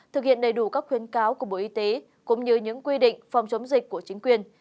thực hiện đầy đủ các khuyến cáo của bộ y tế cũng như những quy định phòng chống dịch của chính quyền